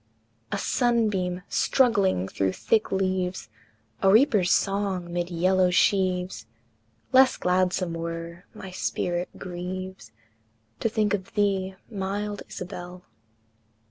A sunbeam struggling through thick leaves, A reaper's song mid yellow sheaves, Less gladsome were; my spirit grieves To think of thee, mild Isabel!